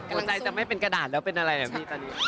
กำลังใจจะไม่เป็นกระดาษแล้วเป็นอะไรอ่ะพี่ตอนนี้